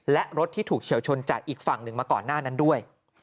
และรถที่ถูกเฉียวชนจากอีกฝั่งหนึ่งมาก่อนหน้านั้นด้วย